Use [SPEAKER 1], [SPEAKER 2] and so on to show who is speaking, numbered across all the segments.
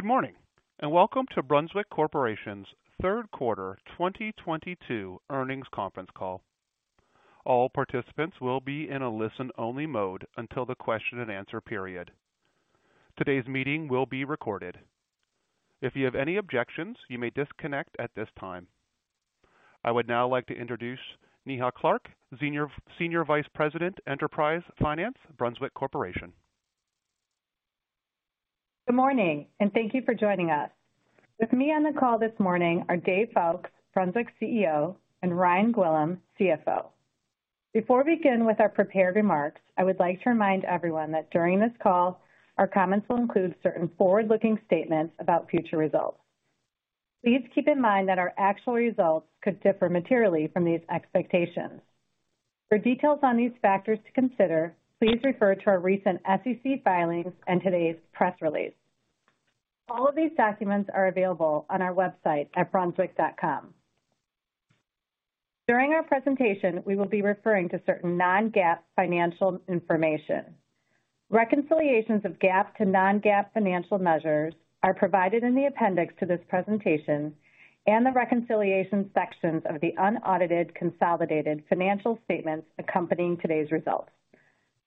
[SPEAKER 1] Good morning, and welcome to Brunswick Corporation's third quarter 2022 earnings conference call. All participants will be in a listen-only mode until the question and answer period. Today's meeting will be recorded. If you have any objections, you may disconnect at this time. I would now like to introduce Neha Clark, Senior Vice President, Enterprise Finance, Brunswick Corporation.
[SPEAKER 2] Good morning, and thank you for joining us. With me on the call this morning are David Foulkes, Brunswick CEO, and Ryan Gwillim, CFO. Before we begin with our prepared remarks, I would like to remind everyone that during this call, our comments will include certain forward-looking statements about future results. Please keep in mind that our actual results could differ materially from these expectations. For details on these factors to consider, please refer to our recent SEC filings and today's press release. All of these documents are available on our website at brunswick.com. During our presentation, we will be referring to certain non-GAAP financial information. Reconciliations of GAAP to non-GAAP financial measures are provided in the appendix to this presentation and the reconciliation sections of the unaudited consolidated financial statements accompanying today's results.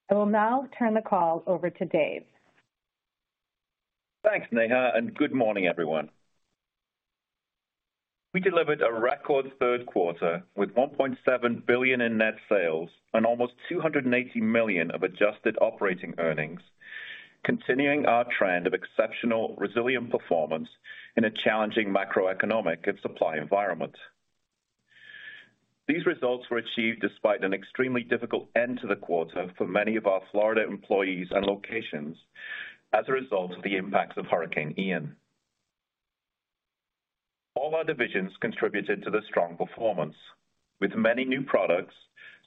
[SPEAKER 2] I will now turn the call over to Dave.
[SPEAKER 3] Thanks, Neha, and good morning, everyone. We delivered a record third quarter with $1.7 billion in net sales and almost $280 million of adjusted operating earnings, continuing our trend of exceptional resilient performance in a challenging macroeconomic and supply environment. These results were achieved despite an extremely difficult end to the quarter for many of our Florida employees and locations as a result of the impacts of Hurricane Ian. All our divisions contributed to the strong performance, with many new products,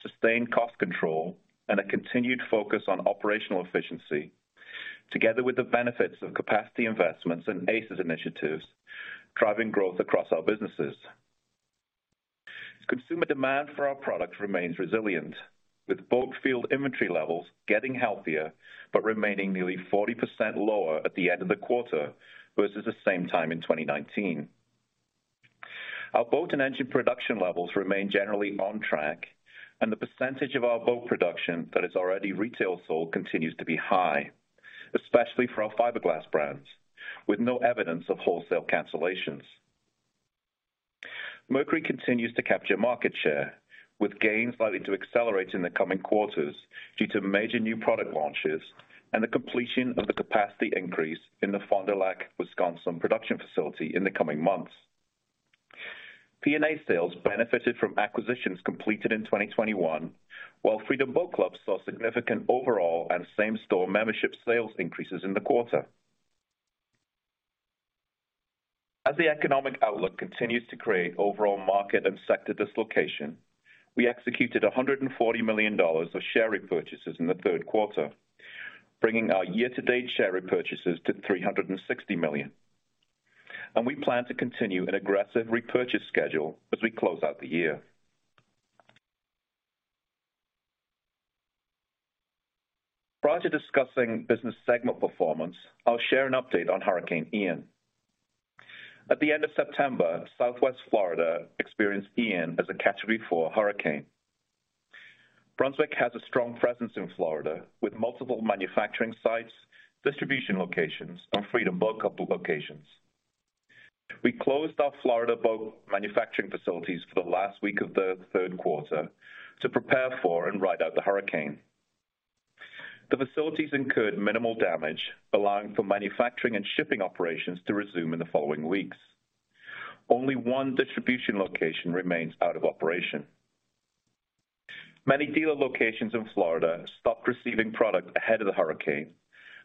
[SPEAKER 3] sustained cost control, and a continued focus on operational efficiency together with the benefits of capacity investments and ACES initiatives driving growth across our businesses. Consumer demand for our products remains resilient, with boat field inventory levels getting healthier but remaining nearly 40% lower at the end of the quarter versus the same time in 2019. Our boat and engine production levels remain generally on track, and the percentage of our boat production that is already retail sold continues to be high, especially for our fiberglass brands, with no evidence of wholesale cancellations. Mercury continues to capture market share, with gains likely to accelerate in the coming quarters due to major new product launches and the completion of the capacity increase in the Fond du Lac, Wisconsin, production facility in the coming months. P&A sales benefited from acquisitions completed in 2021, while Freedom Boat Club saw significant overall and same-store membership sales increases in the quarter. As the economic outlook continues to create overall market and sector dislocation, we executed $140 million of share repurchases in the third quarter, bringing our year-to-date share repurchases to $360 million. We plan to continue an aggressive repurchase schedule as we close out the year. Prior to discussing business segment performance, I'll share an update on Hurricane Ian. At the end of September, Southwest Florida experienced Ian as a Category 4 hurricane. Brunswick has a strong presence in Florida with multiple manufacturing sites, distribution locations, and Freedom Boat Club locations. We closed our Florida boat manufacturing facilities for the last week of the third quarter to prepare for and ride out the hurricane. The facilities incurred minimal damage, allowing for manufacturing and shipping operations to resume in the following weeks. Only one distribution location remains out of operation. Many dealer locations in Florida stopped receiving product ahead of the hurricane,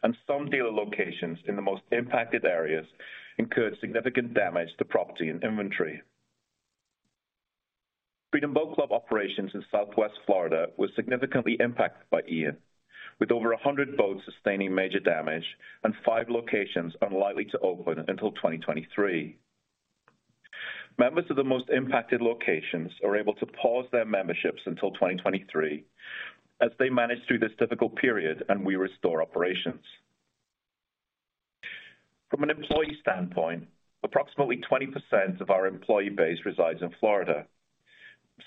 [SPEAKER 3] and some dealer locations in the most impacted areas incurred significant damage to property and inventory. Freedom Boat Club operations in southwest Florida were significantly impacted by Ian, with over 100 boats sustaining major damage and five locations unlikely to open until 2023. Members of the most impacted locations are able to pause their memberships until 2023 as they manage through this difficult period and we restore operations. From an employee standpoint, approximately 20% of our employee base resides in Florida.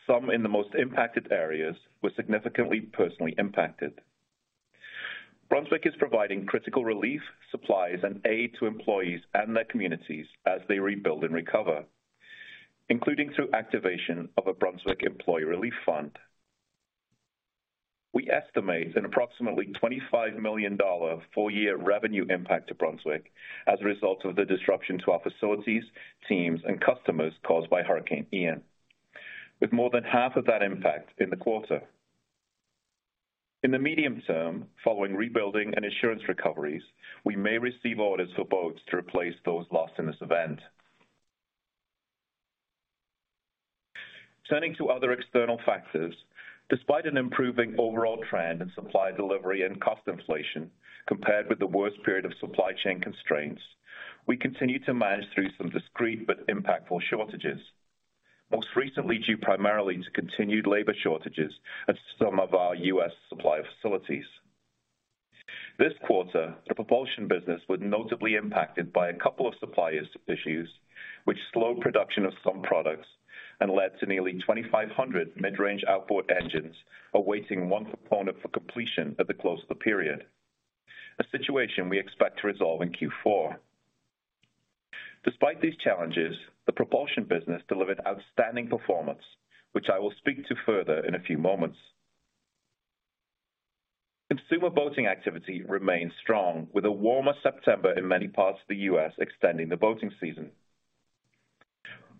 [SPEAKER 3] Some in the most impacted areas were significantly personally impacted. Brunswick is providing critical relief, supplies, and aid to employees and their communities as they rebuild and recover, including through activation of a Brunswick Employee Relief Fund. We estimate an approximately $25 million full-year revenue impact to Brunswick as a result of the disruption to our facilities, teams, and customers caused by Hurricane Ian, with more than half of that impact in the quarter. In the medium term, following rebuilding and insurance recoveries, we may receive orders for boats to replace those lost in this event. Turning to other external factors, despite an improving overall trend in supply delivery and cost inflation compared with the worst period of supply chain constraints, we continue to manage through some discrete but impactful shortages. Most recently due primarily to continued labor shortages at some of our U.S. supplier facilities. This quarter, the propulsion business was notably impacted by a couple of suppliers' issues which slowed production of some products and led to nearly 2,500 mid-range outboard engines awaiting one component for completion at the close of the period, a situation we expect to resolve in Q4. Despite these challenges, the propulsion business delivered outstanding performance, which I will speak to further in a few moments. Consumer boating activity remains strong with a warmer September in many parts of the U.S. extending the boating season.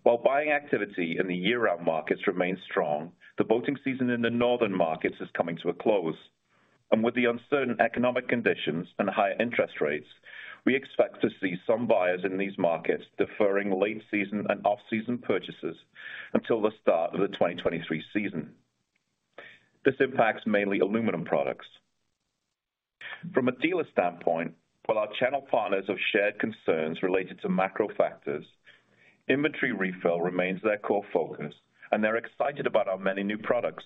[SPEAKER 3] While buying activity in the year-round markets remains strong, the boating season in the northern markets is coming to a close. With the uncertain economic conditions and higher interest rates, we expect to see some buyers in these markets deferring late season and off-season purchases until the start of the 2023 season. This impacts mainly aluminum products. From a dealer standpoint, while our channel partners have shared concerns related to macro factors, inventory refill remains their core focus, and they're excited about our many new products.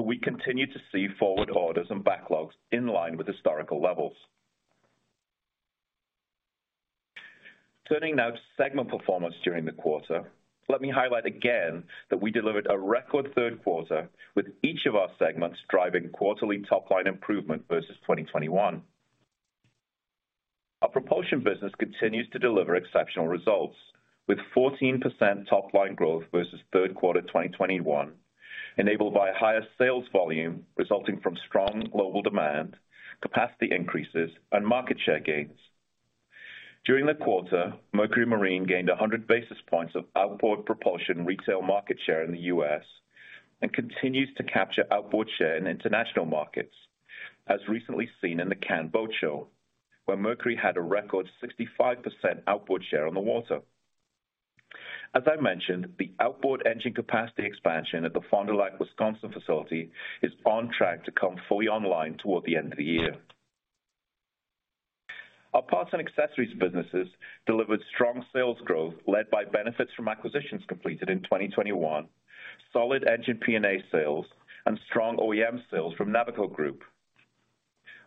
[SPEAKER 3] We continue to see forward orders and backlogs in line with historical levels. Turning now to segment performance during the quarter, let me highlight again that we delivered a record third quarter with each of our segments driving quarterly top line improvement versus 2021. Our propulsion business continues to deliver exceptional results, with 14% top line growth versus third quarter 2021, enabled by higher sales volume resulting from strong global demand, capacity increases, and market share gains. During the quarter, Mercury Marine gained 100 basis points of outboard propulsion retail market share in the U.S. and continues to capture outboard share in international markets, as recently seen in the Cannes Boat Show, where Mercury had a record 65% outboard share on the water. As I mentioned, the outboard engine capacity expansion at the Fond du Lac, Wisconsin facility is on track to come fully online toward the end of the year. Our parts and accessories businesses delivered strong sales growth led by benefits from acquisitions completed in 2021, solid engine P&A sales, and strong OEM sales from Navico Group.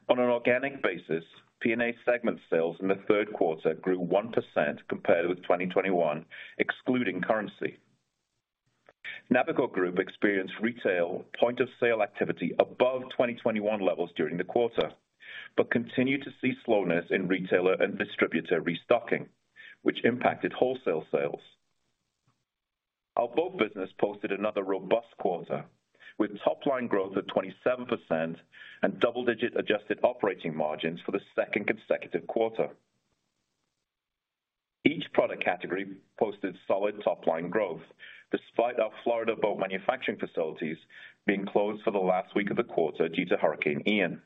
[SPEAKER 3] On an organic basis, P&A segment sales in the third quarter grew 1% compared with 2021 excluding currency. Navico Group experienced retail point of sale activity above 2021 levels during the quarter, but continued to see slowness in retailer and distributor restocking, which impacted wholesale sales. Our boat business posted another robust quarter with top line growth of 27% and double-digit adjusted operating margins for the second consecutive quarter. Each product category posted solid top line growth despite our Florida boat manufacturing facilities being closed for the last week of the quarter due to Hurricane Ian.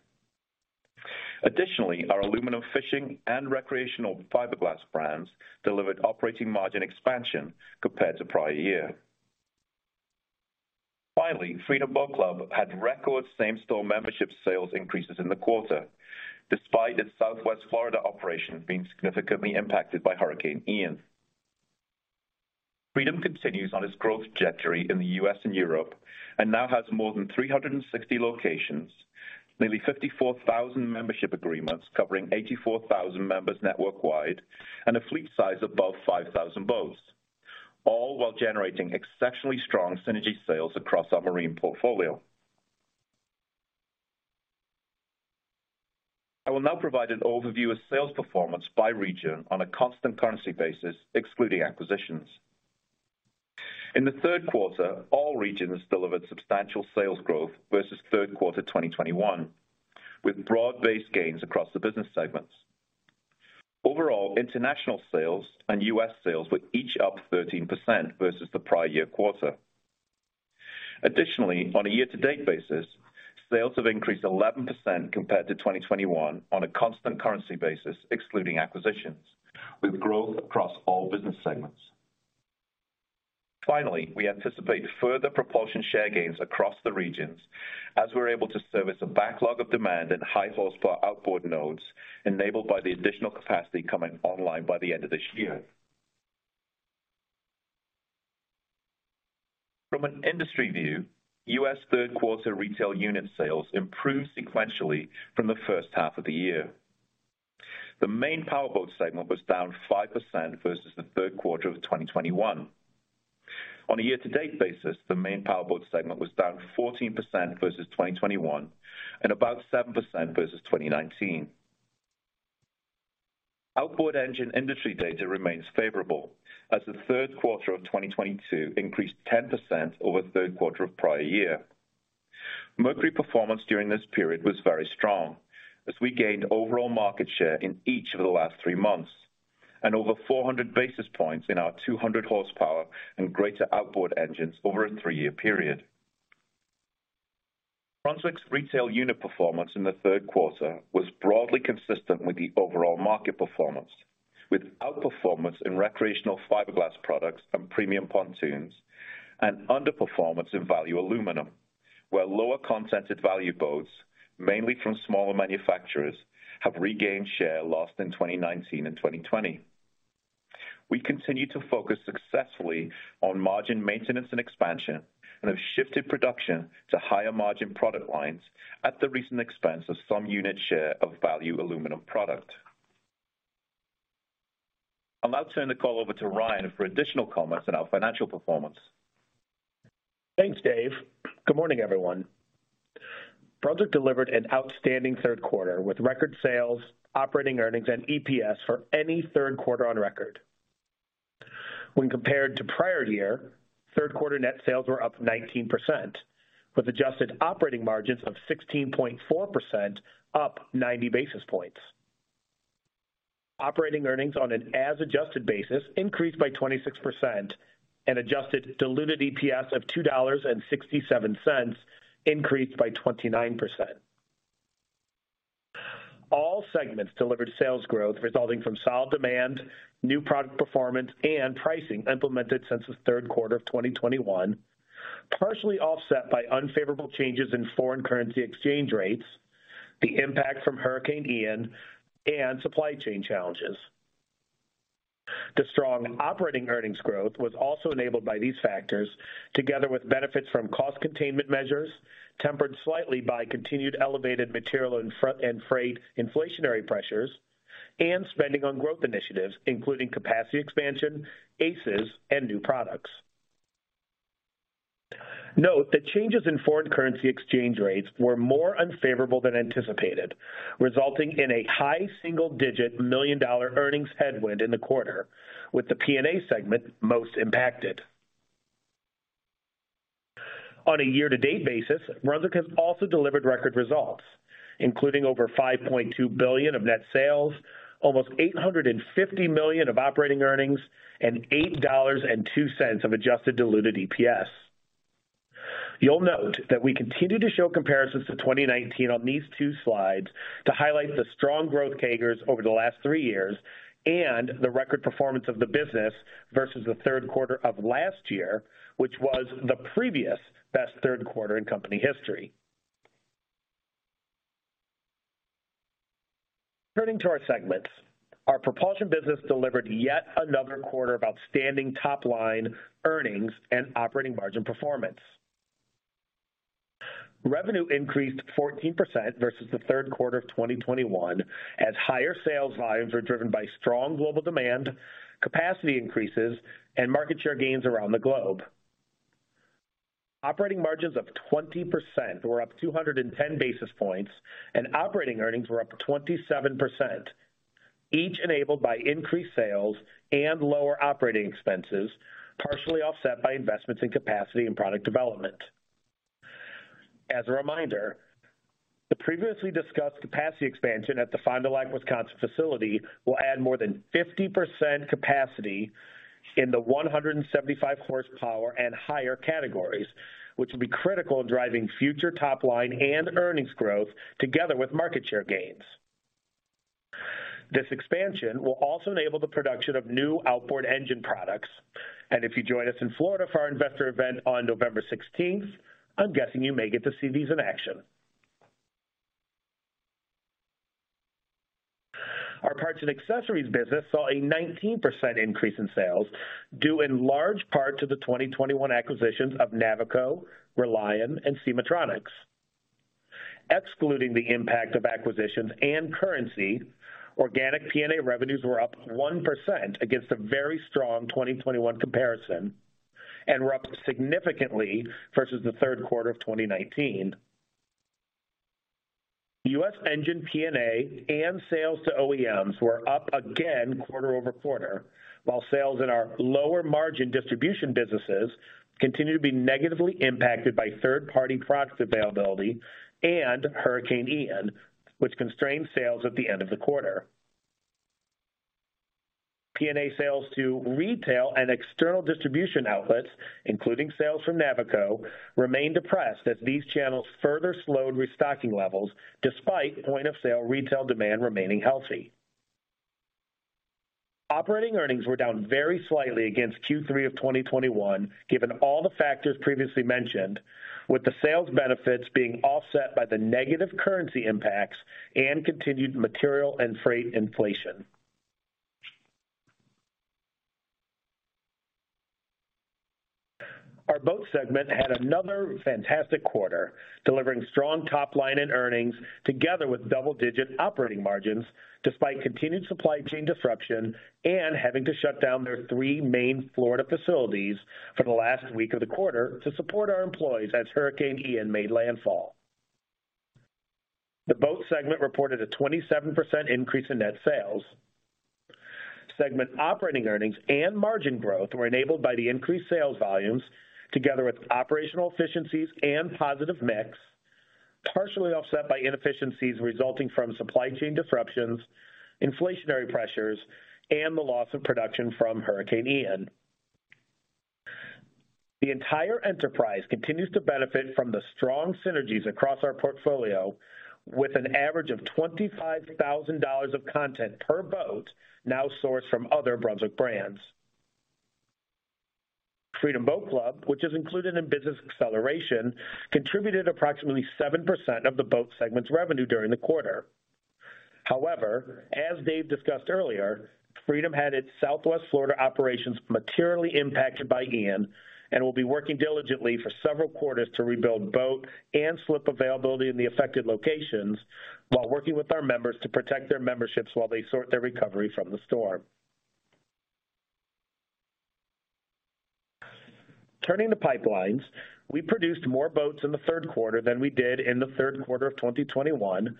[SPEAKER 3] Additionally, our aluminum fishing and recreational fiberglass brands delivered operating margin expansion compared to prior year. Finally, Freedom Boat Club had record same-store membership sales increases in the quarter, despite its Southwest Florida operations being significantly impacted by Hurricane Ian. Freedom continues on its growth trajectory in the U.S. and Europe, and now has more than 360 locations, nearly 54,000 membership agreements covering 84,000 members network wide, and a fleet size above 5,000 boats, all while generating exceptionally strong synergy sales across our marine portfolio. I will now provide an overview of sales performance by region on a constant currency basis excluding acquisitions. In the third quarter, all regions delivered substantial sales growth versus third quarter 2021, with broad-based gains across the business segments. Overall, international sales and U.S. sales were each up 13% versus the prior year quarter. Additionally, on a year-to-date basis, sales have increased 11% compared to 2021 on a constant currency basis excluding acquisitions, with growth across all business segments. Finally, we anticipate further propulsion share gains across the regions as we're able to service a backlog of demand at high horsepower outboard nodes enabled by the additional capacity coming online by the end of this year. From an industry view, U.S. third quarter retail unit sales improved sequentially from the first half of the year. The main powerboat segment was down 5% versus the third quarter of 2021. On a year-to-date basis, the main powerboat segment was down 14% versus 2021 and about 7% versus 2019. Outboard engine industry data remains favorable as the third quarter of 2022 increased 10% over third quarter of prior year. Mercury performance during this period was very strong as we gained overall market share in each of the last three months and over 400 basis points in our 200 horsepower and greater outboard engines over a three-year period. Brunswick's retail unit performance in the third quarter was broadly consistent with the overall market performance, with outperformance in recreational fiberglass products and premium pontoons and underperformance in value aluminum, where lower-content value boats, mainly from smaller manufacturers, have regained share lost in 2019 and 2020. We continue to focus successfully on margin maintenance and expansion and have shifted production to higher margin product lines at the recent expense of some unit share of value aluminum product. I'll now turn the call over to Ryan for additional comments on our financial performance.
[SPEAKER 4] Thanks, Dave. Good morning, everyone. Brunswick delivered an outstanding third quarter with record sales, operating earnings and EPS for any third quarter on record. When compared to prior year, third quarter net sales were up 19%, with adjusted operating margins of 16.4%, up 90 basis points. Operating earnings on an as adjusted basis increased by 26% and adjusted diluted EPS of $2.67 increased by 29%. All segments delivered sales growth resulting from solid demand, new product performance and pricing implemented since the third quarter of 2021, partially offset by unfavorable changes in foreign currency exchange rates, the impact from Hurricane Ian and supply chain challenges. The strong operating earnings growth was also enabled by these factors, together with benefits from cost containment measures, tempered slightly by continued elevated material and fuel and freight inflationary pressures and spending on growth initiatives, including capacity expansion, ACES and new products. Note that changes in foreign currency exchange rates were more unfavorable than anticipated, resulting in a high single-digit million-dollar earnings headwind in the quarter, with the P&A segment most impacted. On a year-to-date basis, Brunswick has also delivered record results, including over $5.2 billion of net sales, almost $850 million of operating earnings, and $8.02 of adjusted diluted EPS. You'll note that we continue to show comparisons to 2019 on these two slides to highlight the strong growth CAGRs over the last three years and the record performance of the business versus the third quarter of last year, which was the previous best third quarter in company history. Turning to our segments. Our propulsion business delivered yet another quarter of outstanding top-line earnings and operating margin performance. Revenue increased 14% versus the third quarter of 2021 as higher sales volumes were driven by strong global demand, capacity increases, and market share gains around the globe. Operating margins of 20% were up 210 basis points, and operating earnings were up 27%, each enabled by increased sales and lower operating expenses, partially offset by investments in capacity and product development. As a reminder, the previously discussed capacity expansion at the Fond du Lac, Wisconsin facility will add more than 50% capacity in the 175 horsepower and higher categories, which will be critical in driving future top line and earnings growth together with market share gains. This expansion will also enable the production of new outboard engine products. If you join us in Florida for our investor event on November 16th, I'm guessing you may get to see these in action. Our parts and accessories business saw a 19% increase in sales, due in large part to the 2021 acquisitions of Navico, RELiON and SemahTronix. Excluding the impact of acquisitions and currency, organic P&A revenues were up 1% against a very strong 2021 comparison, and were up significantly versus the third quarter of 2019. U.S. engine P&A and sales to OEMs were up again quarter-over-quarter, while sales in our lower margin distribution businesses continue to be negatively impacted by third-party product availability and Hurricane Ian, which constrained sales at the end of the quarter. P&A sales to retail and external distribution outlets, including sales from Navico, remained depressed as these channels further slowed restocking levels despite point of sale retail demand remaining healthy. Operating earnings were down very slightly against Q3 of 2021, given all the factors previously mentioned, with the sales benefits being offset by the negative currency impacts and continued material and freight inflation. Our boat segment had another fantastic quarter, delivering strong top line and earnings together with double-digit operating margins despite continued supply chain disruption and having to shut down their three main Florida facilities for the last week of the quarter to support our employees as Hurricane Ian made landfall. The boat segment reported a 27% increase in net sales. Segment operating earnings and margin growth were enabled by the increased sales volumes together with operational efficiencies and positive mix, partially offset by inefficiencies resulting from supply chain disruptions, inflationary pressures, and the loss of production from Hurricane Ian. The entire enterprise continues to benefit from the strong synergies across our portfolio with an average of $25,000 of content per boat now sourced from other Brunswick brands. Freedom Boat Club, which is included in business acceleration, contributed approximately 7% of the Boat segment's revenue during the quarter. However, as Dave discussed earlier, Freedom had its Southwest Florida operations materially impacted by Hurricane Ian and will be working diligently for several quarters to rebuild boat and slip availability in the affected locations while working with our members to protect their memberships while they sort their recovery from the storm. Turning to pipelines. We produced more boats in the third quarter than we did in the third quarter of 2021,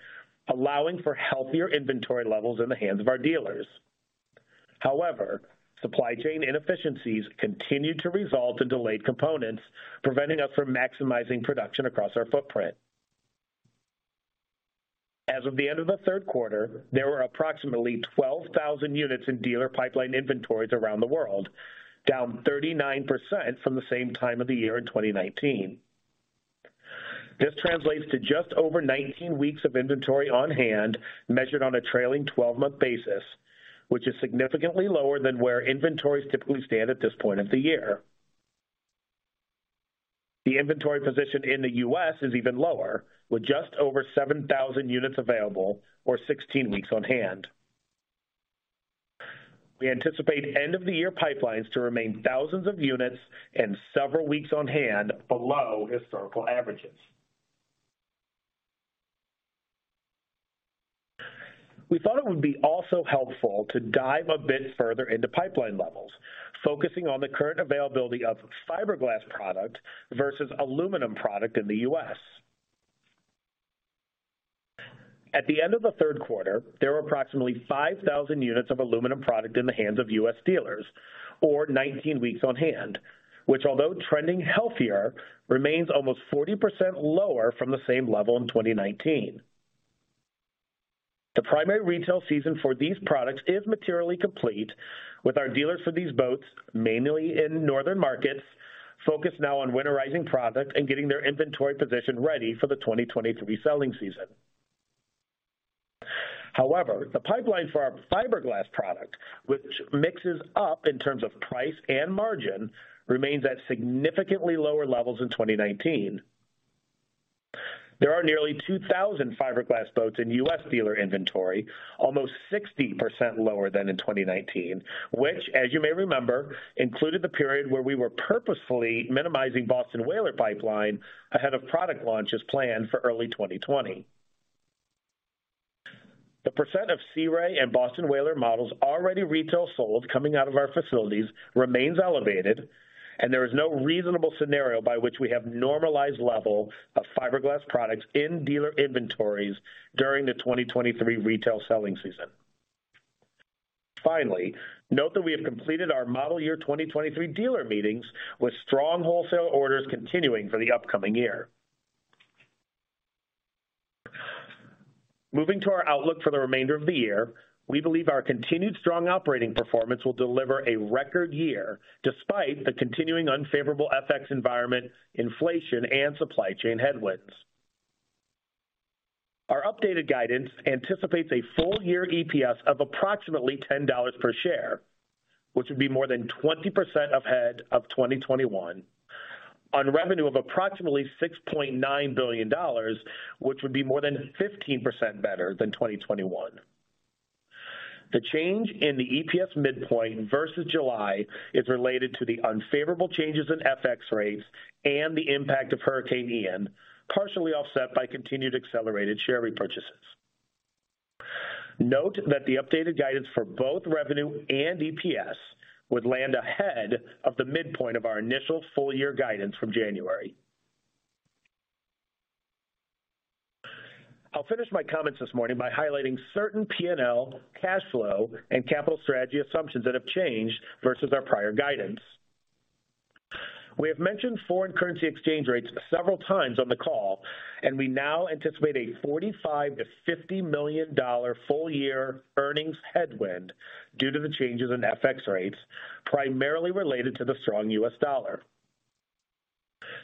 [SPEAKER 4] allowing for healthier inventory levels in the hands of our dealers. However, supply chain inefficiencies continued to result in delayed components, preventing us from maximizing production across our footprint. As of the end of the third quarter, there were approximately 12,000 units in dealer pipeline inventories around the world, down 39% from the same time of the year in 2019. This translates to just over 19 weeks of inventory on hand, measured on a trailing twelve-month basis, which is significantly lower than where inventories typically stand at this point of the year. The inventory position in the U.S. is even lower, with just over 7,000 units available or 16 weeks on hand. We anticipate end-of-the-year pipelines to remain thousands of units and several weeks on hand below historical averages. We thought it would be also helpful to dive a bit further into pipeline levels, focusing on the current availability of fiberglass product versus aluminum product in the U.S. At the end of the third quarter, there were approximately 5,000 units of aluminum product in the hands of U.S. dealers or 19 weeks on hand, which although trending healthier, remains almost 40% lower from the same level in 2019. The primary retail season for these products is materially complete with our dealers for these boats, mainly in northern markets, focused now on winterizing product and getting their inventory position ready for the 2023 selling season. However, the pipeline for our fiberglass product, which mixes up in terms of price and margin, remains at significantly lower levels in 2019. There are nearly 2,000 fiberglass boats in US dealer inventory, almost 60% lower than in 2019, which as you may remember, included the period where we were purposefully minimizing Boston Whaler pipeline ahead of product launches planned for early 2020. The percent of Sea Ray and Boston Whaler models already retail sold coming out of our facilities remains elevated, and there is no reasonable scenario by which we have normalized level of fiberglass products in dealer inventories during the 2023 retail selling season. Finally, note that we have completed our model year 2023 dealer meetings with strong wholesale orders continuing for the upcoming year. Moving to our outlook for the remainder of the year. We believe our continued strong operating performance will deliver a record year despite the continuing unfavorable FX environment, inflation, and supply chain headwinds. Our updated guidance anticipates a full year EPS of approximately $10 per share, which would be more than 20% ahead of 2021 on revenue of approximately $6.9 billion, which would be more than 15% better than 2021. The change in the EPS midpoint versus July is related to the unfavorable changes in FX rates and the impact of Hurricane Ian, partially offset by continued accelerated share repurchases. Note that the updated guidance for both revenue and EPS would land ahead of the midpoint of our initial full-year guidance from January. I'll finish my comments this morning by highlighting certain P&L, cash flow, and capital strategy assumptions that have changed versus our prior guidance. We have mentioned foreign currency exchange rates several times on the call, and we now anticipate a $45 million-$50 million full-year earnings headwind due to the changes in FX rates, primarily related to the strong U.S. dollar.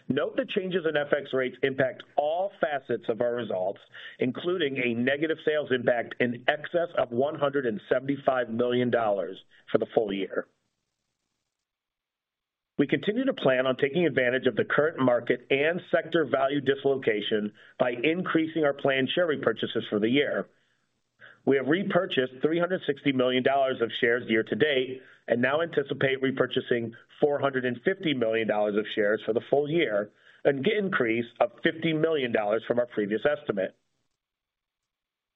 [SPEAKER 4] Note that changes in FX rates impact all facets of our results, including a negative sales impact in excess of $175 million for the full year. We continue to plan on taking advantage of the current market and sector value dislocation by increasing our planned share repurchases for the year. We have repurchased $360 million of shares year to date, and now anticipate repurchasing $450 million of shares for the full year, an increase of $50 million from our previous estimate.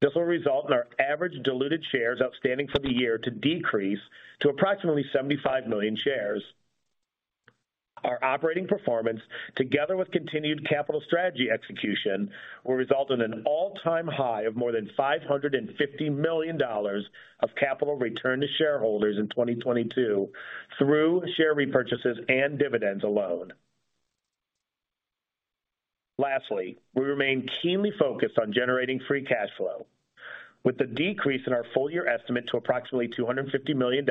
[SPEAKER 4] This will result in our average diluted shares outstanding for the year to decrease to approximately 75 million shares. Our operating performance, together with continued capital strategy execution, will result in an all-time high of more than $550 million of capital returned to shareholders in 2022 through share repurchases and dividends alone. Lastly, we remain keenly focused on generating free cash flow. With the decrease in our full-year estimate to approximately $250 million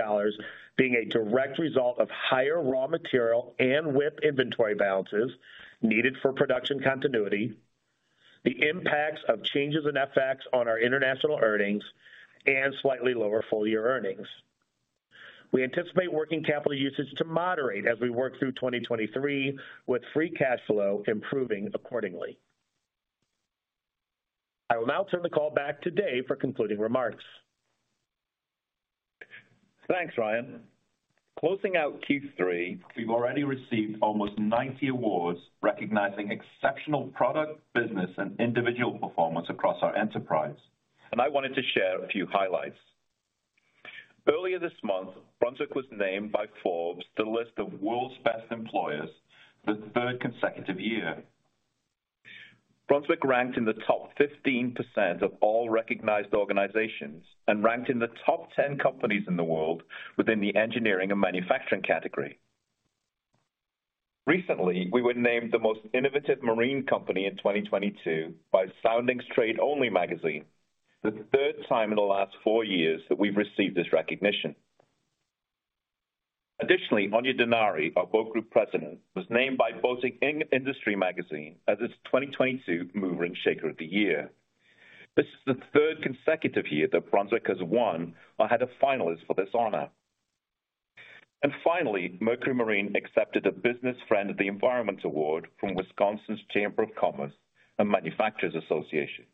[SPEAKER 4] being a direct result of higher raw material and WIP inventory balances needed for production continuity. The impacts of changes in FX on our international earnings and slightly lower full-year earnings. We anticipate working capital usage to moderate as we work through 2023, with free cash flow improving accordingly. I will now turn the call back to Dave for concluding remarks.
[SPEAKER 3] Thanks, Ryan. Closing out Q3, we've already received almost 90 awards recognizing exceptional product, business, and individual performance across our enterprise, and I wanted to share a few highlights. Earlier this month, Brunswick was named by Forbes the list of World's Best Employers for the third consecutive year. Brunswick ranked in the top 15% of all recognized organizations and ranked in the top 10 companies in the world within the engineering and manufacturing category. Recently, we were named the most innovative marine company in 2022 by Soundings Trade Only magazine, the third time in the last four years that we've received this recognition. Additionally, Aine Denari, our Boat Group President, was named by Boating Industry magazine as its 2022 Mover and Shaker of the Year. This is the third consecutive year that Brunswick has won or had a finalist for this honor. Finally, Mercury Marine accepted a Business Friend of the Environment award from Wisconsin Manufacturers &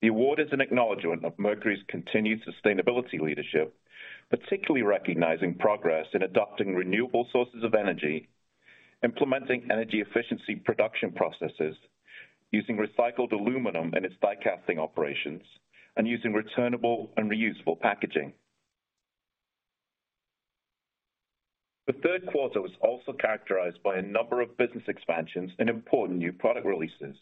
[SPEAKER 3] Commerce. The award is an acknowledgment of Mercury's continued sustainability leadership, particularly recognizing progress in adopting renewable sources of energy, implementing energy-efficient production processes, using recycled aluminum in its die-casting operations, and using returnable and reusable packaging. The third quarter was also characterized by a number of business expansions and important new product releases.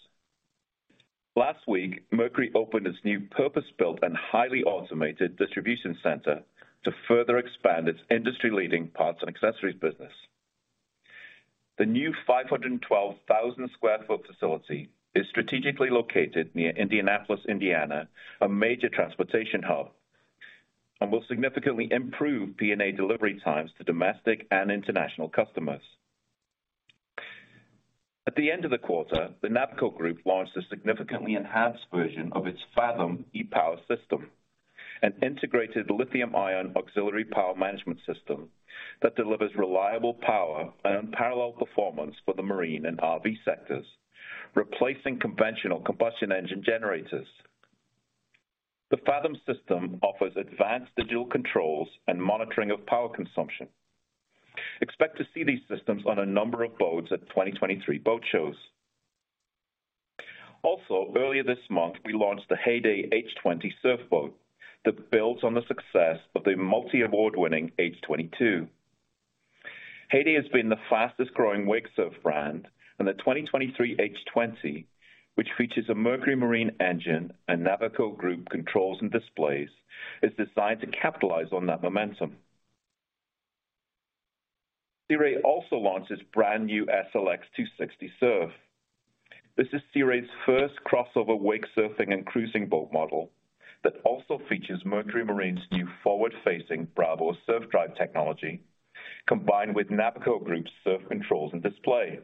[SPEAKER 3] Last week, Mercury opened its new purpose-built and highly automated distribution center to further expand its industry-leading parts and accessories business. The new 512,000 sq ft facility is strategically located near Indianapolis, Indiana, a major transportation hub, and will significantly improve P&A delivery times to domestic and international customers. At the end of the quarter, the Navico Group launched a significantly enhanced version of its Fathom e-Power System, an integrated lithium-ion auxiliary power management system that delivers reliable power and unparalleled performance for the marine and RV sectors, replacing conventional combustion engine generators. The Fathom system offers advanced digital controls and monitoring of power consumption. Expect to see these systems on a number of boats at 2023 boat shows. Earlier this month, we launched the Heyday H20 Surf boat that builds on the success of the multi-award-winning H22. Heyday has been the fastest growing wake surf brand, and the 2023 H20, which features a Mercury Marine engine and Navico Group controls and displays, is designed to capitalize on that momentum. Sea Ray also launched its brand new SLX 260 Surf. This is Sea Ray's first crossover wake surfing and cruising boat model that also features Mercury Marine's new forward-facing Bravo surf drive technology, combined with Navico Group's surf controls and display.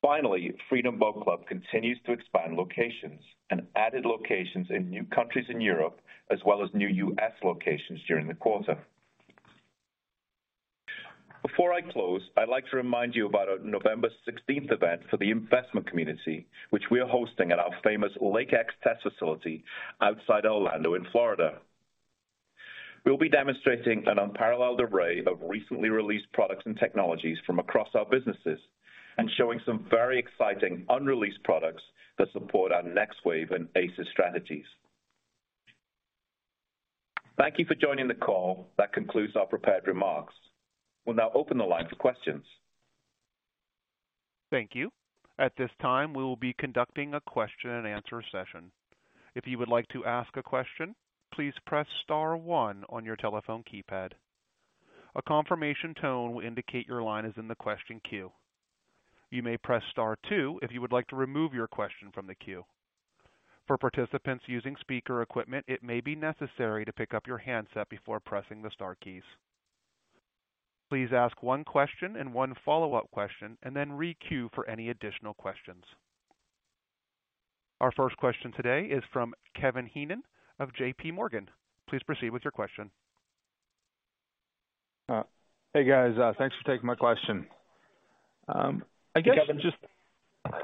[SPEAKER 3] Finally, Freedom Boat Club continues to expand locations and added locations in new countries in Europe as well as new U.S. locations during the quarter. Before I close, I'd like to remind you about our November sixteenth event for the investment community, which we are hosting at our famous Lake X test facility outside Orlando, Florida. We'll be demonstrating an unparalleled array of recently released products and technologies from across our businesses and showing some very exciting unreleased products that support our Next Wave and ACES strategies. Thank you for joining the call. That concludes our prepared remarks. We'll now open the line for questions.
[SPEAKER 1] Thank you. At this time, we will be conducting a question and answer session. If you would like to ask a question, please press star one on your telephone keypad. A confirmation tone will indicate your line is in the question queue. You may press star two if you would like to remove your question from the queue. For participants using speaker equipment, it may be necessary to pick up your handset before pressing the star keys. Please ask one question and one follow-up question and then re-queue for any additional questions. Our first question today is from Kevin Heenan of JPMorgan. Please proceed with your question.
[SPEAKER 5] Hey, guys, thanks for taking my question. I guess just.
[SPEAKER 3] Hey, Kevin.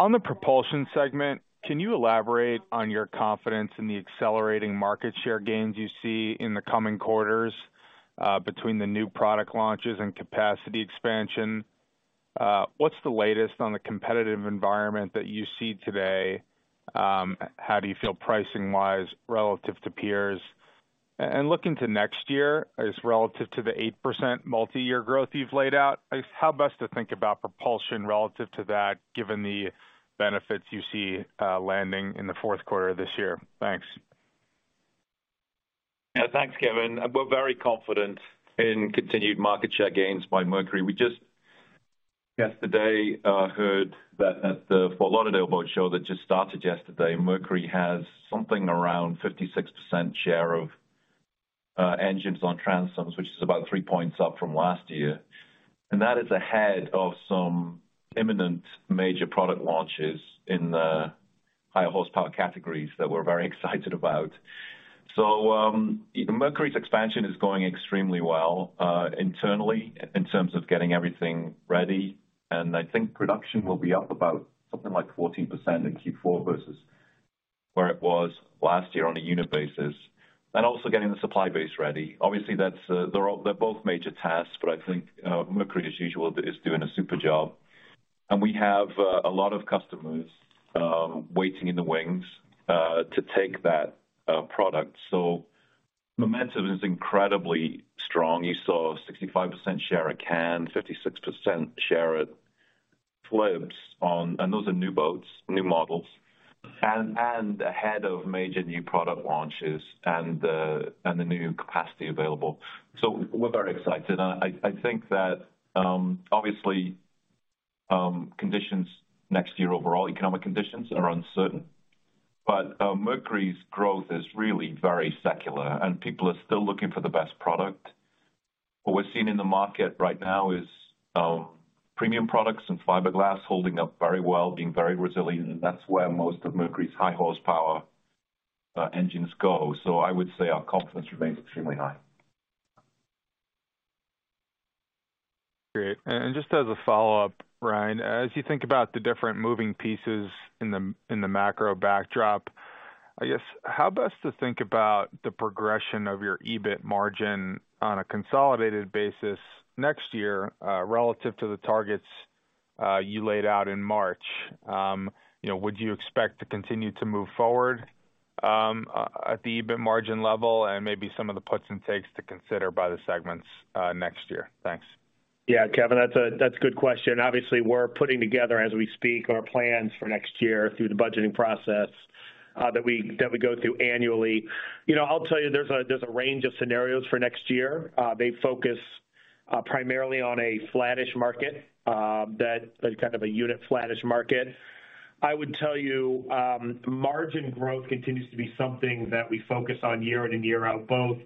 [SPEAKER 5] On the propulsion segment, can you elaborate on your confidence in the accelerating market share gains you see in the coming quarters, between the new product launches and capacity expansion? What's the latest on the competitive environment that you see today? How do you feel pricing-wise relative to peers? Looking to next year as relative to the 8% multi-year growth you've laid out, how best to think about propulsion relative to that, given the benefits you see, landing in the fourth quarter of this year? Thanks.
[SPEAKER 3] Yeah, thanks, Kevin. We're very confident in continued market share gains by Mercury. We just yesterday heard that at the Fort Lauderdale Boat Show that just started yesterday, Mercury has something around 56% share of engines on transoms, which is about three points up from last year. That is ahead of some imminent major product launches in the higher horsepower categories that we're very excited about. Mercury's expansion is going extremely well, internally in terms of getting everything ready. I think production will be up about something like 14% in Q4 versus where it was last year on a unit basis, and also getting the supply base ready. Obviously, they're both major tasks, but I think Mercury, as usual, is doing a super job. We have a lot of customers waiting in the wings to take that product. Momentum is incredibly strong. You saw 65% share at Cannes, 56% share at FLIBS, and those are new boats, new models, and ahead of major new product launches and the new capacity available. We're very excited. I think that, obviously, conditions next year, overall economic conditions are uncertain. Mercury's growth is really very secular, and people are still looking for the best product. What we're seeing in the market right now is premium products and fiberglass holding up very well, being very resilient, and that's where most of Mercury's high horsepower engines go. I would say our confidence remains extremely high.
[SPEAKER 5] Great. Just as a follow-up, Ryan, as you think about the different moving pieces in the macro backdrop, I guess, how best to think about the progression of your EBIT margin on a consolidated basis next year, relative to the targets you laid out in March. You know, would you expect to continue to move forward at the EBIT margin level and maybe some of the puts and takes to consider by the segments next year? Thanks.
[SPEAKER 4] Yeah, Kevin, that's a good question. Obviously, we're putting together as we speak, our plans for next year through the budgeting process that we go through annually. You know, I'll tell you, there's a range of scenarios for next year. They focus primarily on a flattish market that is kind of a unit flattish market. I would tell you, margin growth continues to be something that we focus on year in and year out, both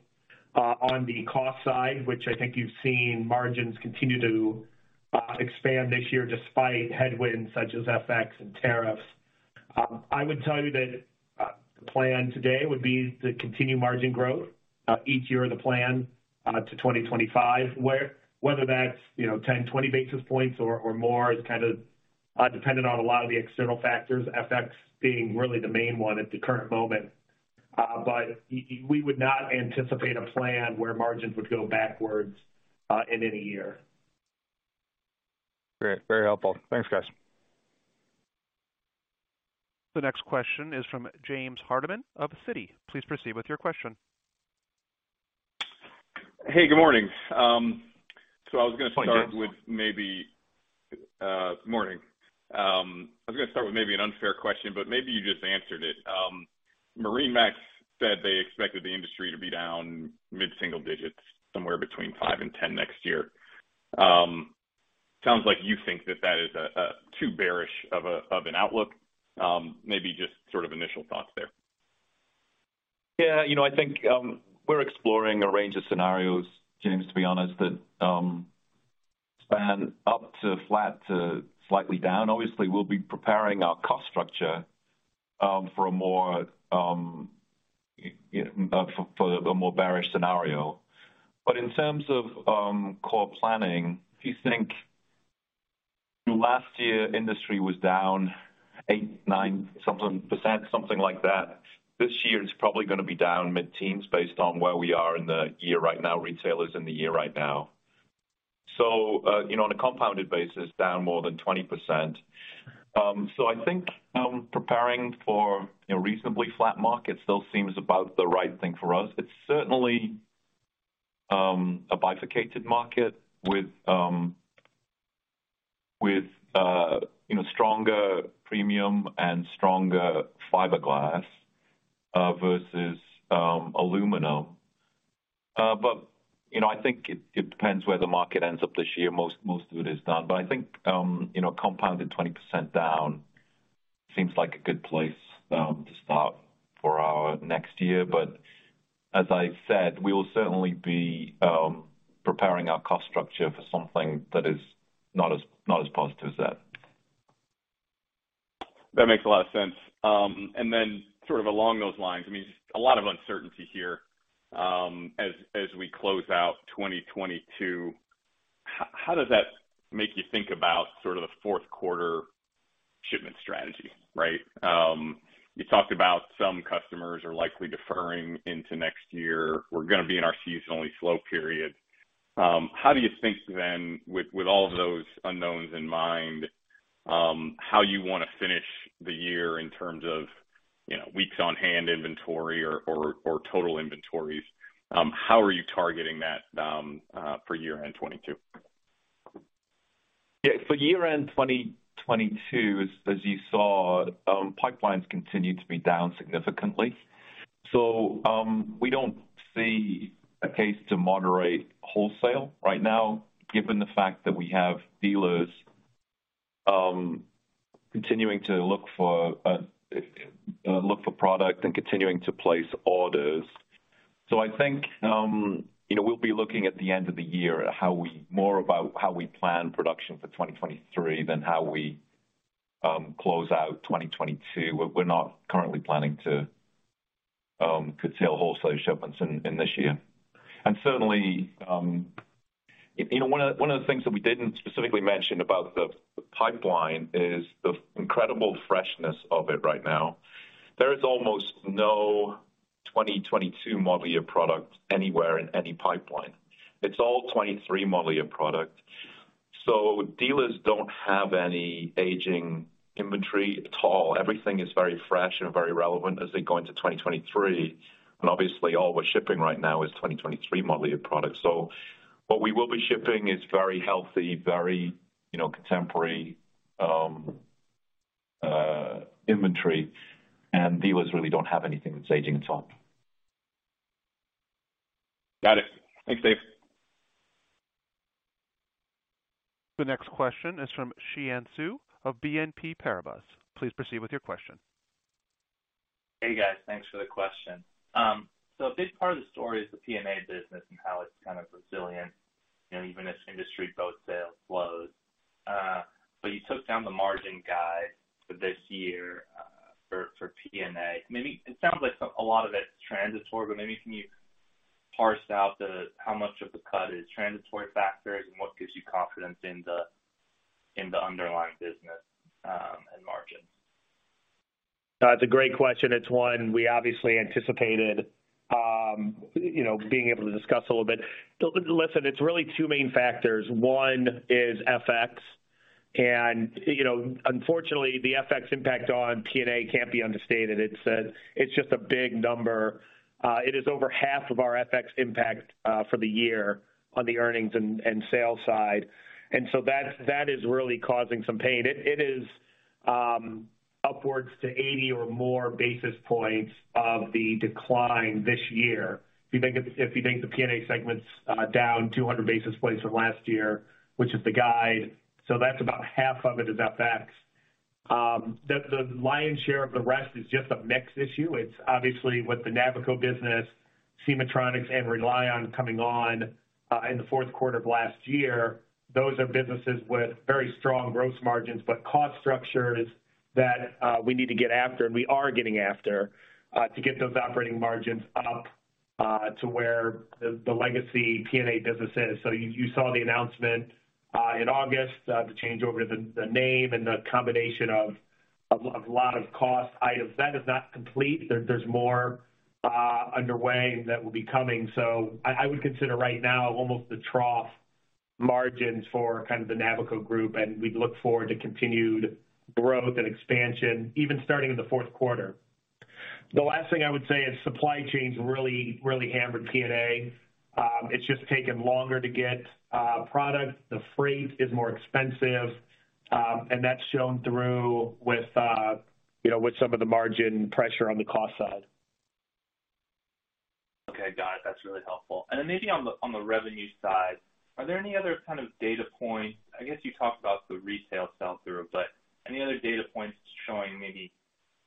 [SPEAKER 4] on the cost side, which I think you've seen margins continue to expand this year despite headwinds such as FX and tariffs. I would tell you that the plan today would be to continue margin growth each year of the plan to 2025. Whether that's, you know, 10-20 basis points or more is kind of dependent on a lot of the external factors, FX being really the main one at the current moment. We would not anticipate a plan where margins would go backwards in any year.
[SPEAKER 5] Great. Very helpful. Thanks, guys.
[SPEAKER 1] The next question is from James Hardiman of Citi. Please proceed with your question.
[SPEAKER 6] Hey, good morning.
[SPEAKER 3] Morning.
[SPEAKER 6] Morning. I was gonna start with maybe an unfair question, but maybe you just answered it. MarineMax said they expected the industry to be down mid-single digits, somewhere between 5% and 10% next year. Sounds like you think that is too bearish of an outlook. Maybe just sort of initial thoughts there.
[SPEAKER 3] Yeah, you know, I think we're exploring a range of scenarios, James, to be honest, that span up to flat to slightly down. Obviously, we'll be preparing our cost structure for a more bearish scenario. In terms of core planning, if you think last year industry was down 8%-9% or something like that, this year it's probably gonna be down mid-teens% based on where we are in the year right now. You know, on a compounded basis, down more than 20%. I think preparing for a reasonably flat market still seems about the right thing for us. It's certainly a bifurcated market with, you know, stronger premium and stronger fiberglass versus aluminum. You know, I think it depends where the market ends up this year. Most of it is done. I think, you know, compounded 20% down seems like a good place to start for our next year. As I said, we will certainly be preparing our cost structure for something that is not as positive as that.
[SPEAKER 6] That makes a lot of sense. Sort of along those lines, I mean, a lot of uncertainty here, as we close out 2022. How does that make you think about sort of the fourth quarter shipment strategy, right? You talked about some customers are likely deferring into next year. We're gonna be in our seasonally slow period. How do you think then, with all of those unknowns in mind, how you wanna finish the year in terms of, you know, weeks on hand inventory or total inventories? How are you targeting that, for year-end 2022?
[SPEAKER 3] Yeah, for year-end 2022, as you saw, pipelines continued to be down significantly. We don't see a case to moderate wholesale right now, given the fact that we have dealers continuing to look for product and continuing to place orders. I think, you know, we'll be looking at the end of the year more about how we plan production for 2023 than how we close out 2022. We're not currently planning to curtail wholesale shipments in this year. Certainly, you know, one of the things that we didn't specifically mention about the pipeline is the incredible freshness of it right now. There is almost no 2022 model year product anywhere in any pipeline. It's all 2023 model year product. Dealers don't have any aging inventory at all. Everything is very fresh and very relevant as they go into 2023. Obviously, all we're shipping right now is 2023 model year product. What we will be shipping is very healthy, very, you know, contemporary inventory. Dealers really don't have anything that's aging at all.
[SPEAKER 6] Got it. Thanks, Dave.
[SPEAKER 1] The next question is from Xian Siew of BNP Paribas. Please proceed with your question.
[SPEAKER 7] Hey, guys. Thanks for the question. A big part of the story is the P&A business and how it's kind of resilient, you know, even as industry boat sales slows. You took down the margin guide for this year, for P&A. Maybe it sounds like a lot of it's transitory, but maybe can you parse out how much of the cut is transitory factors and what gives you confidence in the underlying business, and margins?
[SPEAKER 4] It's a great question. It's one we obviously anticipated, you know, being able to discuss a little bit. Listen, it's really two main factors. One is FX. You know, unfortunately, the FX impact on P&A can't be understated. It's just a big number. It is over half of our FX impact for the year on the earnings and sales side. That's really causing some pain. It is upwards to 80 or more basis points of the decline this year. If you think the P&A segment's down 200 basis points from last year, which is the guide, that's about half of it is FX. The lion's share of the rest is just a mix issue. It's obviously with the Navico business, SemahTronix and RELiON coming on in the fourth quarter of last year. Those are businesses with very strong gross margins, but cost structures that we need to get after, and we are getting after to get those operating margins up to where the legacy P&A business is. You saw the announcement in August, the change over the name and the combination of a lot of cost items. That is not complete. There's more underway that will be coming. I would consider right now almost the trough margins for kind of the Navico Group, and we look forward to continued growth and expansion, even starting in the fourth quarter. The last thing I would say is supply chains really hammered P&A. It's just taken longer to get product. The freight is more expensive, and that's shown through with you know, with some of the margin pressure on the cost side.
[SPEAKER 7] Okay. Got it. That's really helpful. Then maybe on the revenue side, are there any other kind of data points? I guess you talked about the retail sell-through, but any other data points showing maybe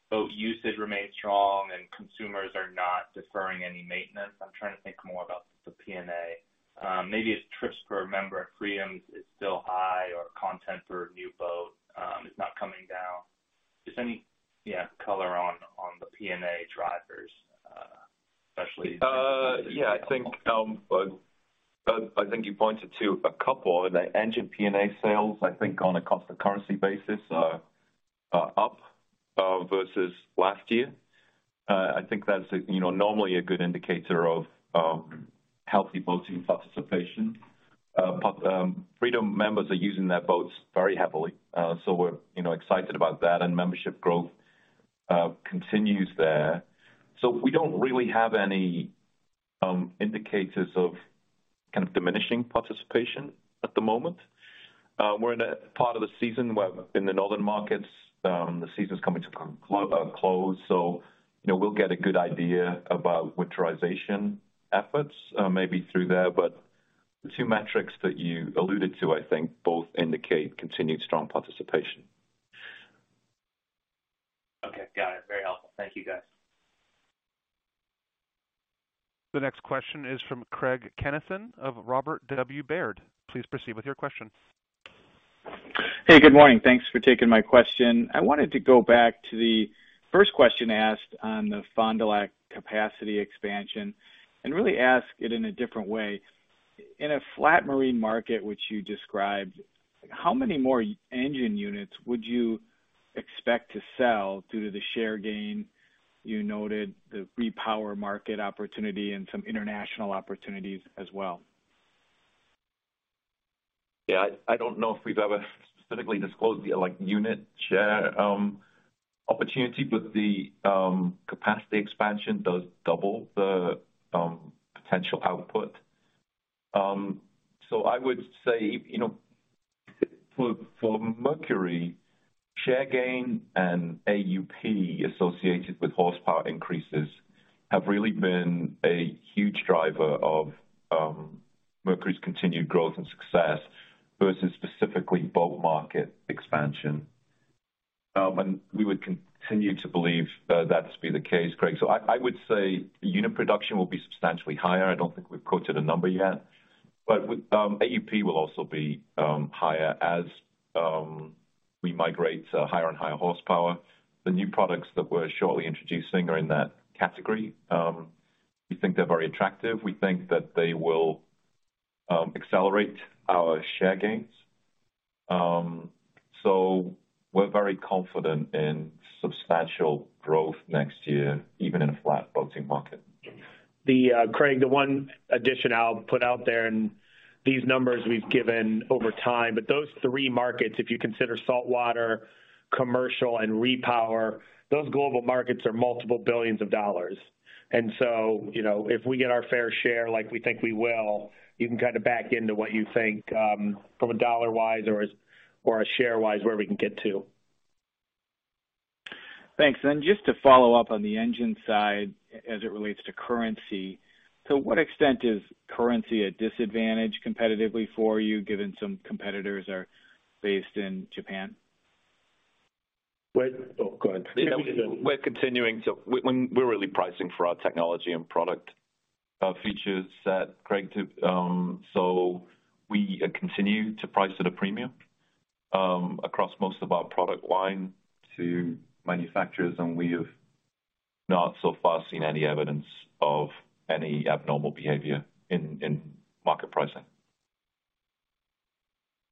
[SPEAKER 7] boat usage remains strong and consumers are not deferring any maintenance? I'm trying to think more about the P&A. Maybe it's trips per member at Freedom is still high or content for a new boat is not coming down. Just any color on the P&A drivers, especially.
[SPEAKER 3] I think you pointed to a couple. The engine P&A sales, I think on a constant currency basis are up versus last year. I think that's a, you know, normally a good indicator of healthy boating participation. Freedom members are using their boats very heavily, so we're, you know, excited about that, and membership growth continues there. We don't really have any indicators of kind of diminishing participation at the moment. We're in a part of the season where in the northern markets the season's coming to a close. You know, we'll get a good idea about winterization efforts maybe through there. The two metrics that you alluded to, I think both indicate continued strong participation.
[SPEAKER 7] Okay. Got it. Very helpful. Thank you, guys.
[SPEAKER 1] The next question is from Craig Kennison of Robert W. Baird. Please proceed with your question.
[SPEAKER 8] Hey, good morning. Thanks for taking my question. I wanted to go back to the first question asked on the Fond du Lac capacity expansion and really ask it in a different way. In a flat marine market which you described, how many more engine units would you expect to sell due to the share gain you noted, the repower market opportunity and some international opportunities as well?
[SPEAKER 3] Yeah. I don't know if we've ever specifically disclosed the, like, unit share opportunity, but the capacity expansion does double the potential output. I would say, you know, for Mercury share gain and AUP associated with horsepower increases have really been a huge driver of Mercury's continued growth and success versus specifically boat market expansion. We would continue to believe that to be the case, Craig. I would say unit production will be substantially higher. I don't think we've quoted a number yet. AUP will also be higher as we migrate to higher and higher horsepower. The new products that we're shortly introducing are in that category. We think they're very attractive. We think that they will accelerate our share gains. We're very confident in substantial growth next year, even in a flat boating market.
[SPEAKER 4] Craig, the one addition I'll put out there, and these numbers we've given over time, but those three markets, if you consider saltwater, commercial and repower, those global markets are multiple billions of dollars. You know, if we get our fair share like we think we will, you can kind of back into what you think, from a dollar-wise or a share-wise, where we can get to.
[SPEAKER 8] Thanks. Just to follow up on the engine side as it relates to currency, to what extent is currency a disadvantage competitively for you, given some competitors are based in Japan?
[SPEAKER 3] Oh, go ahead.
[SPEAKER 4] Yeah, we-.
[SPEAKER 3] We're really pricing for our technology and product features that Craig took. We continue to price at a premium, across most of our product line to manufacturers, and we have not so far seen any evidence of any abnormal behavior in market pricing.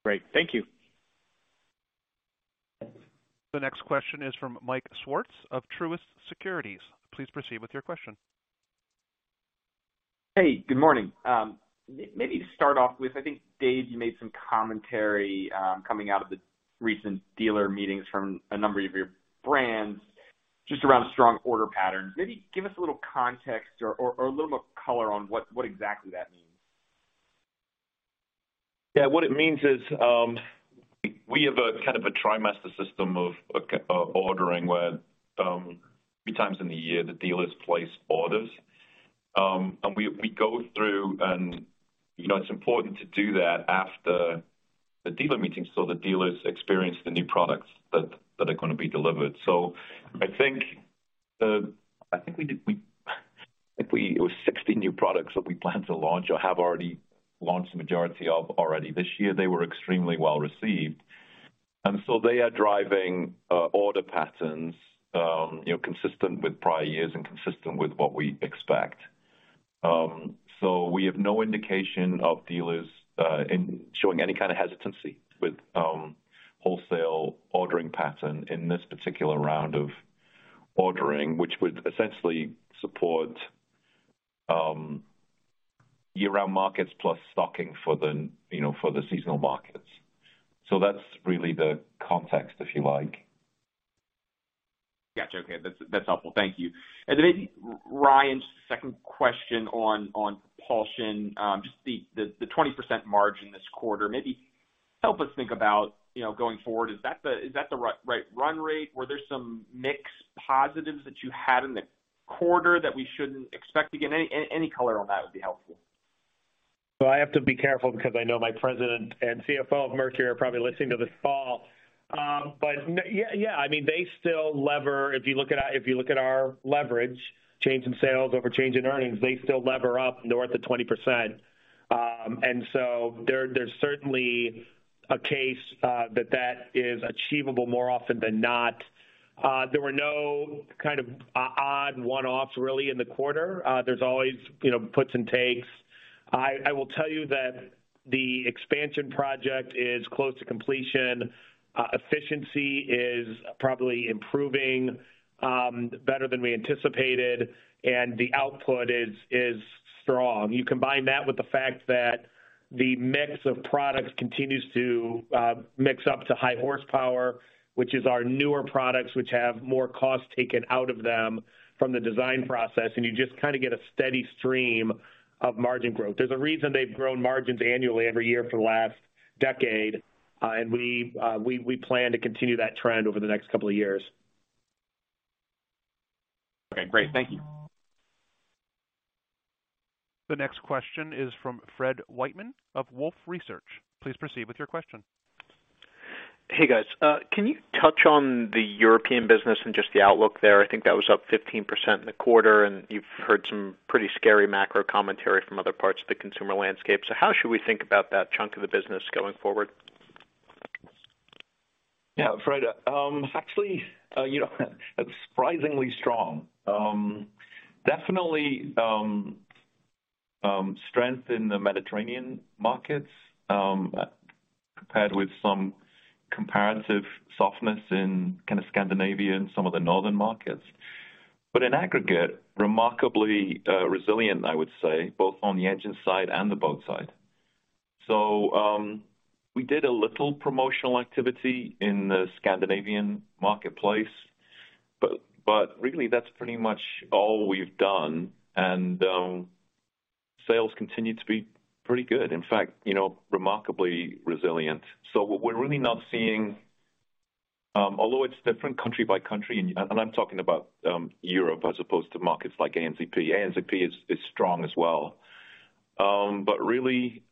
[SPEAKER 8] Great. Thank you.
[SPEAKER 1] The next question is from Michael Swartz of Truist Securities. Please proceed with your question.
[SPEAKER 9] Hey, good morning. Maybe to start off with, I think, David, you made some commentary coming out of the recent dealer meetings from a number of your brands just around strong order patterns. Maybe give us a little context or a little more color on what exactly that means.
[SPEAKER 3] Yeah. What it means is, we have a kind of a trimester system of ordering, where a few times in the year the dealers place orders. We go through and, you know, it's important to do that after the dealer meeting so the dealers experience the new products that are gonna be delivered. I think it was 60 new products that we planned to launch or have already launched the majority of already this year. They were extremely well received. They are driving order patterns, you know, consistent with prior years and consistent with what we expect. We have no indication of dealers in showing any kind of hesitancy with wholesale ordering pattern in this particular round of ordering, which would essentially support year-round markets plus stocking for the, you know, for the seasonal markets. That's really the context, if you like.
[SPEAKER 9] Gotcha. Okay. That's helpful. Thank you. Then maybe, Ryan, just a second question on propulsion. Just the 20% margin this quarter. Maybe help us think about, you know, going forward, is that the right run rate? Were there some mix positives that you had in the quarter that we shouldn't expect again? Any color on that would be helpful.
[SPEAKER 4] I have to be careful because I know my president and CFO of Mercury are probably listening to this call. But yeah. I mean, they still leverage if you look at our, if you look at our leverage, change in sales over change in earnings, they still leverage up north of 20%. There's certainly a case that that is achievable more often than not. There were no kind of odd one-offs really in the quarter. There's always, you know, puts and takes. I will tell you that the expansion project is close to completion. Efficiency is probably improving better than we anticipated, and the output is strong. You combine that with the fact that the mix of products continues to mix up to high horsepower, which is our newer products, which have more cost taken out of them from the design process, and you just kinda get a steady stream of margin growth. There's a reason they've grown margins annually every year for the last decade. We plan to continue that trend over the next couple of years.
[SPEAKER 9] Okay, great. Thank you.
[SPEAKER 1] The next question is from Frederick Wightman of Wolfe Research. Please proceed with your question.
[SPEAKER 10] Hey, guys. Can you touch on the European business and just the outlook there? I think that was up 15% in the quarter, and you've heard some pretty scary macro commentary from other parts of the consumer landscape. How should we think about that chunk of the business going forward?
[SPEAKER 3] Yeah. Fred, actually, you know, surprisingly strong. Definitely, strength in the Mediterranean markets, compared with some comparative softness in kind of Scandinavian, some of the northern markets. In aggregate, remarkably, resilient, I would say, both on the engine side and the boat side. We did a little promotional activity in the Scandinavian marketplace. But really that's pretty much all we've done. Sales continue to be pretty good. In fact, you know, remarkably resilient. We're really not seeing, although it's different country by country, and I'm talking about, Europe as opposed to markets like ANZP. ANZP is strong as well, but really,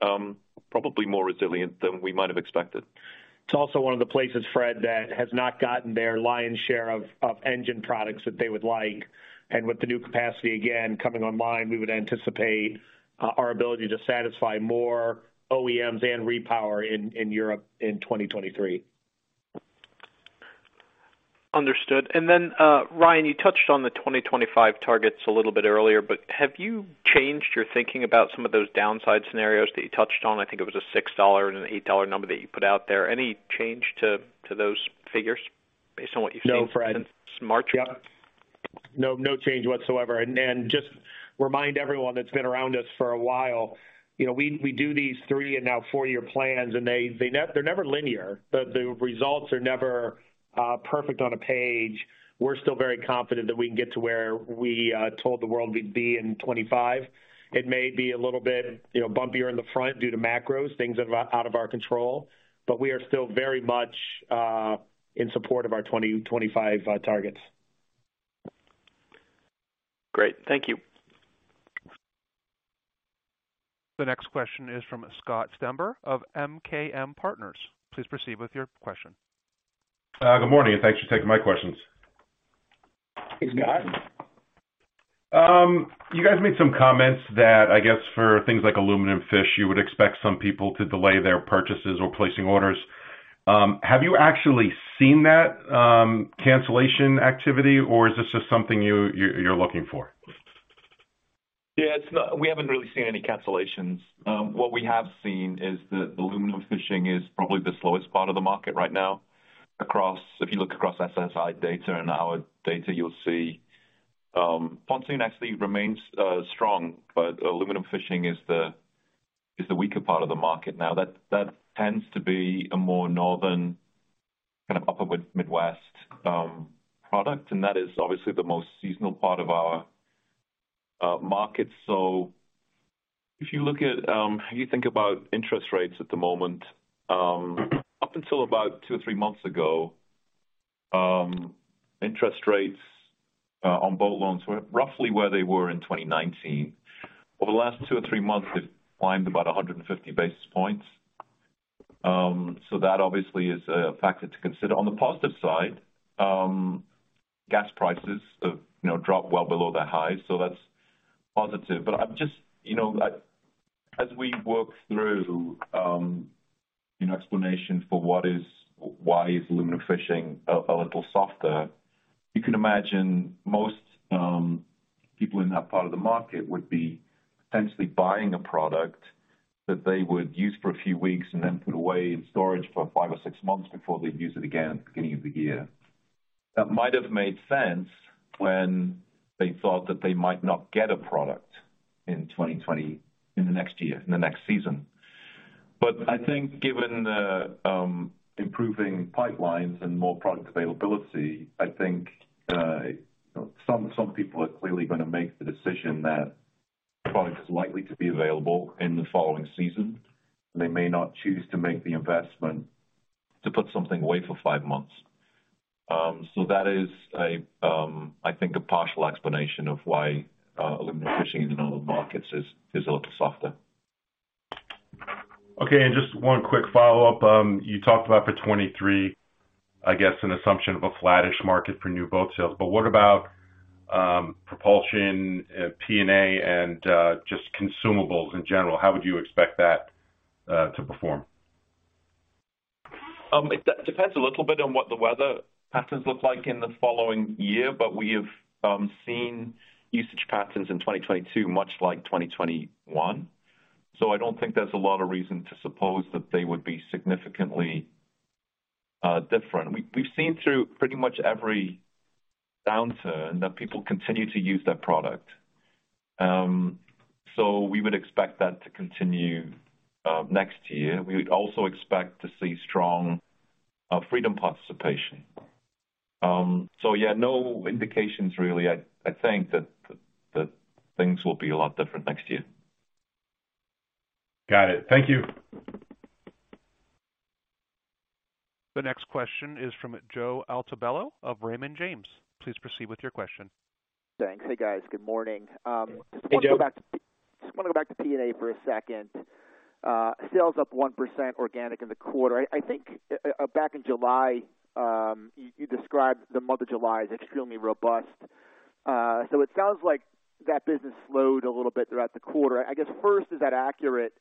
[SPEAKER 3] probably more resilient than we might have expected.
[SPEAKER 4] It's also one of the places, Fred, that has not gotten their lion's share of engine products that they would like. With the new capacity, again, coming online, we would anticipate our ability to satisfy more OEMs and repower in Europe in 2023.
[SPEAKER 10] Understood. Then, Ryan, you touched on the 2025 targets a little bit earlier, but have you changed your thinking about some of those downside scenarios that you touched on? I think it was a $6 and an $8 number that you put out there. Any change to those figures based on what you've seen?
[SPEAKER 4] No, Fred.
[SPEAKER 10] Since March?
[SPEAKER 4] Yeah. No, no change whatsoever. Just remind everyone that's been around us for a while, you know, we do these three and now four-year plans, and they're never linear. The results are never perfect on a page. We're still very confident that we can get to where we told the world we'd be in 2025. It may be a little bit, you know, bumpier in the front due to macros, things out of our control, but we are still very much in support of our 2025 targets.
[SPEAKER 10] Great. Thank you.
[SPEAKER 1] The next question is from Scott Stember of MKM Partners. Please proceed with your question.
[SPEAKER 11] Good morning, and thanks for taking my questions.
[SPEAKER 4] Thanks, Scott.
[SPEAKER 11] You guys made some comments that I guess for things like aluminum fish, you would expect some people to delay their purchases or placing orders. Have you actually seen that cancellation activity, or is this just something you're looking for?
[SPEAKER 3] We haven't really seen any cancellations. What we have seen is that aluminum fishing is probably the slowest part of the market right now across. If you look across SSI data and our data, you'll see, pontoon actually remains strong, but aluminum fishing is the weaker part of the market now. That tends to be a more northern kind of upper Midwest product, and that is obviously the most seasonal part of our market. If you look at how you think about interest rates at the moment, up until about two or three months ago, interest rates on boat loans were roughly where they were in 2019. Over the last two or three months, they've climbed about 150 basis points. That obviously is a factor to consider. On the positive side, gas prices have, you know, dropped well below their highs, so that's positive. I'm just, you know, as we work through, you know, explanation for why is aluminum fishing a little softer, you can imagine most people in that part of the market would be potentially buying a product that they would use for a few weeks and then put away in storage for five or six months before they'd use it again at the beginning of the year. That might have made sense when they thought that they might not get a product in the next year, in the next season. I think given the improving pipelines and more product availability, I think you know some people are clearly gonna make the decision that product is likely to be available in the following season. They may not choose to make the investment to put something away for five months. That is a I think a partial explanation of why aluminum fishing in those markets is a little softer.
[SPEAKER 11] Okay. Just one quick follow-up. You talked about for 2023, I guess, an assumption of a flattish market for new boat sales. What about propulsion, P&A and just consumables in general? How would you expect that to perform?
[SPEAKER 3] It depends a little bit on what the weather patterns look like in the following year, but we have seen usage patterns in 2022, much like 2021. I don't think there's a lot of reason to suppose that they would be significantly different. We've seen through pretty much every downturn that people continue to use that product. We would expect that to continue next year. We would also expect to see strong of Freedom participation. Yeah, no indications really. I think that things will be a lot different next year.
[SPEAKER 11] Got it. Thank you.
[SPEAKER 1] The next question is from Joe Altobello of Raymond James. Please proceed with your question.
[SPEAKER 12] Thanks. Hey, guys. Good morning.
[SPEAKER 4] Hey, Joe.
[SPEAKER 12] Just wanna go back to P&A for a second. Sales up 1% organic in the quarter. I think back in July you described the month of July as extremely robust. It sounds like that business slowed a little bit throughout the quarter. I guess first, is that accurate?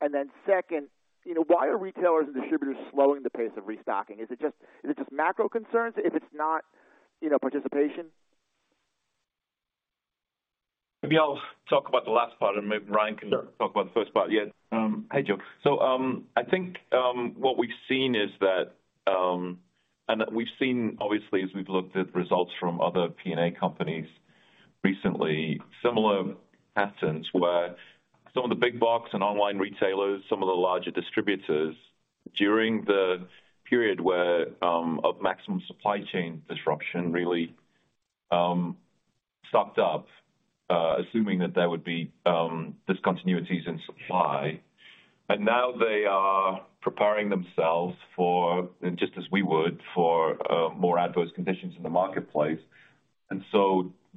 [SPEAKER 12] Then second, you know, why are retailers and distributors slowing the pace of restocking? Is it just macro concerns? If it's not, you know, participation.
[SPEAKER 3] Maybe I'll talk about the last part and maybe Ryan can-.
[SPEAKER 12] Sure.
[SPEAKER 3] Hey, Joe. I think what we've seen is that we've seen obviously as we've looked at results from other P&A companies recently, similar patterns where some of the big box and online retailers, some of the larger distributors during the period of maximum supply chain disruption really sucked up, assuming that there would be discontinuities in supply. Now they are preparing themselves for, just as we would, for more adverse conditions in the marketplace.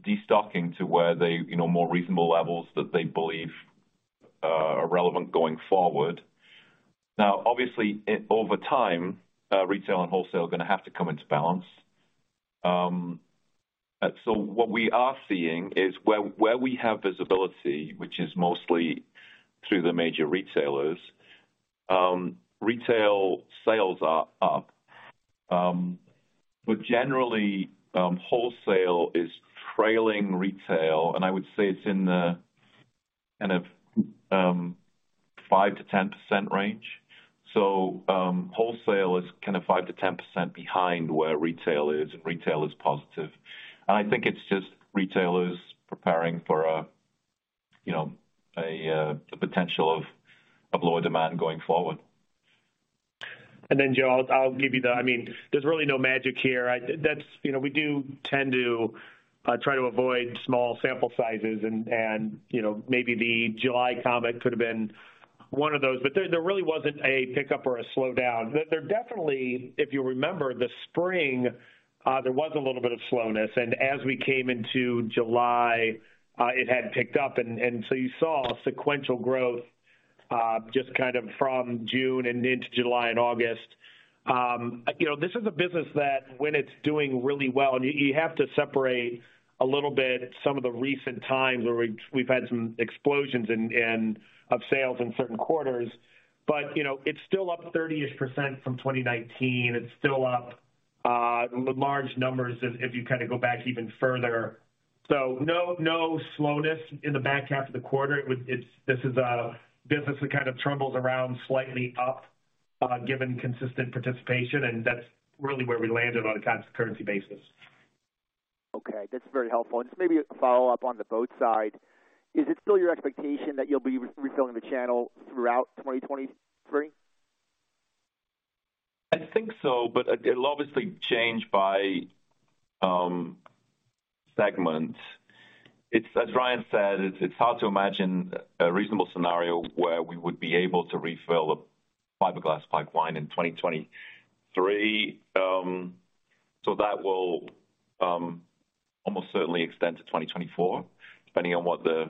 [SPEAKER 3] Destocking to where they, you know, more reasonable levels that they believe are relevant going forward. Now, obviously over time, retail and wholesale are gonna have to come into balance. What we are seeing is where we have visibility, which is mostly through the major retailers, retail sales are up. Generally, wholesale is trailing retail, and I would say it's in the kind of 5%-10% range. Wholesale is kind of 5%-10% behind where retail is, and retail is positive. I think it's just retailers preparing for a, you know, a potential of lower demand going forward.
[SPEAKER 4] Then, Joe, I mean, there's really no magic here. You know, we do tend to try to avoid small sample sizes and you know, maybe the July comps could have been one of those. But there really wasn't a pickup or a slowdown. There definitely, if you remember the spring, there was a little bit of slowness. As we came into July, it had picked up and so you saw sequential growth, just kind of from June and into July and August. You know, this is a business that when it's doing really well, and you have to separate a little bit some of the recent times where we've had some explosions and of sales in certain quarters. You know, it's still up 30-ish% from 2019. It's still up large numbers if you kinda go back even further. No slowness in the back half of the quarter. This is a business that kind of trundles around slightly up given consistent participation, and that's really where we landed on a constant currency basis.
[SPEAKER 12] Okay, that's very helpful. Just maybe a follow-up on the boat side. Is it still your expectation that you'll be refilling the channel throughout 2023?
[SPEAKER 3] I think so, but it'll obviously change by segment. As Ryan said, it's hard to imagine a reasonable scenario where we would be able to refill the fiberglass pipeline in 2023. That will almost certainly extend to 2024, depending on what the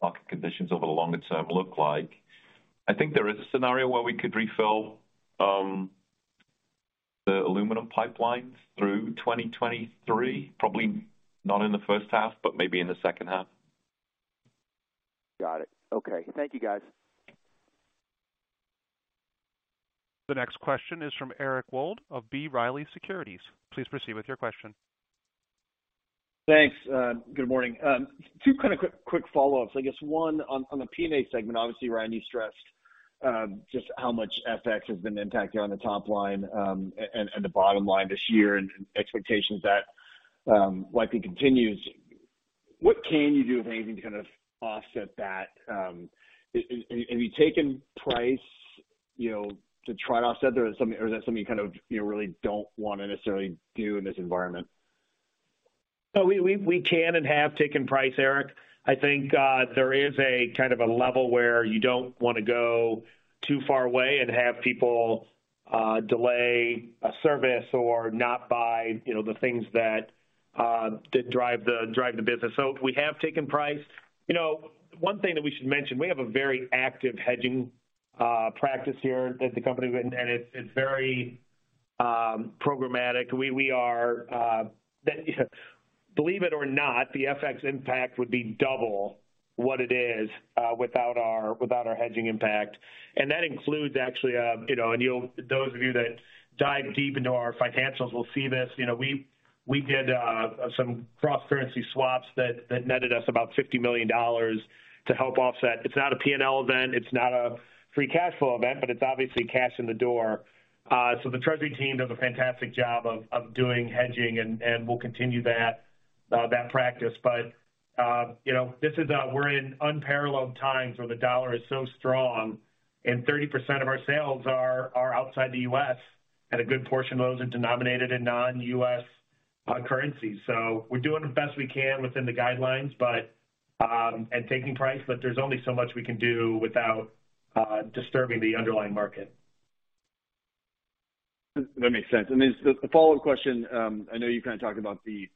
[SPEAKER 3] market conditions over the longer term look like. I think there is a scenario where we could refill the aluminum pipelines through 2023, probably not in the first half, but maybe in the second half.
[SPEAKER 12] Got it. Okay. Thank you, guys.
[SPEAKER 1] The next question is from Eric Wold of B. Riley Securities. Please proceed with your question.
[SPEAKER 13] Thanks. Good morning. Two kind of quick follow-ups. I guess one on the P&A segment, obviously, Ryan, you stressed just how much FX has been impacting on the top line, and the bottom line this year and expectations that likely continues. What can you do, if anything, to kind of offset that? And have you taken price, you know, to try to offset or is that something you kind of, you know, really don't wanna necessarily do in this environment?
[SPEAKER 4] We can and have taken price, Eric. I think there is a kind of a level where you don't wanna go too far away and have people delay a service or not buy, you know, the things that drive the business. We have taken price. You know, one thing that we should mention, we have a very active hedging practice here at the company, and it's very programmatic. That, believe it or not, the FX impact would be double what it is without our hedging impact. And that includes actually, you know, those of you that dive deep into our financials will see this. You know, we did some cross-currency swaps that netted us about $50 million to help offset. It's not a P&L event, it's not a free cash flow event, but it's obviously cash in the door. The treasury team does a fantastic job of doing hedging and we'll continue that practice. You know, we're in unparalleled times where the dollar is so strong and 30% of our sales are outside the U.S., and a good portion of those are denominated in non-U.S. currency. We're doing the best we can within the guidelines, but and taking price, but there's only so much we can do without disturbing the underlying market.
[SPEAKER 13] That makes sense. I mean, the follow-up question, I know you kinda talked about the